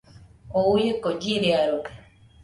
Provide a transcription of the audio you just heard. Oo uieko chiriarode.